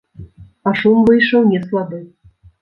А шум выйшаў не слабы.